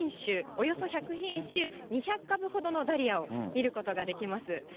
およそ１００品種２００株ほどのダリアを見ることができます。